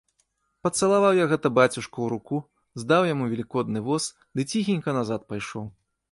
Пацалаваў я гэта бацюшку ў руку, здаў яму велікодны воз ды ціхенька назад пайшоў.